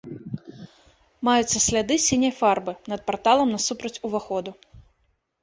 Маюцца сляды сіняй фарбы над парталам насупраць уваходу.